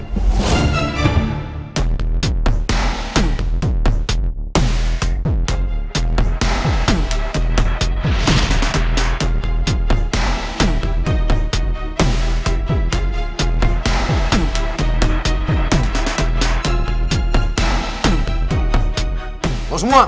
didepan semua orang